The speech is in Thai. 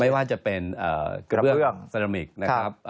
ไม่ว่าจะเป็นกระเบื้องซารามิกนะครับ